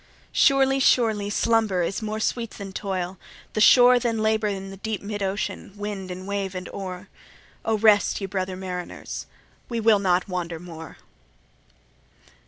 Surely, surely, slumber is more sweet than toil, the shore Than labour in the deep mid ocean, wind and wave and oar; Oh rest ye, brother mariners, we will not wander more.